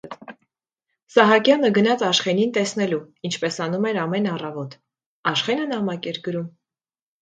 Սահակյանը գնաց Աշխենին տեսնելու, ինչպես անում էր ամեն առավոտ, Աշխենը նամակ էր գրում: